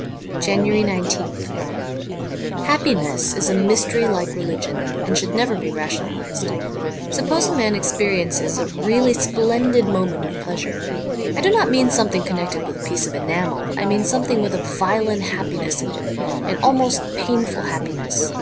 '' 19 JANUARY 19th HAPPINESS is a mystery like religion, and should never be rationalized. Suppose a man experiences a really splendid moment of pleasure. I do not mean something connected with a piece of enamel, I mean something with a violent happiness in it — an almost painful happiness.